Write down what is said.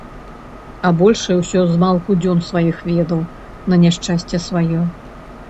А большы ўсё змалку дзён сваіх уведаў, на няшчасце сваё.